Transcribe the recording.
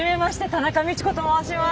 田中道子と申します。